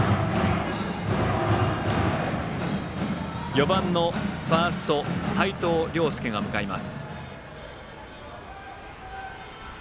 ４番のファースト、齋藤綾介が向かいます。